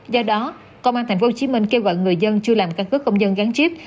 do đó công an tp hcm kêu gọi người dân chưa làm căn cứ công dân gắn chip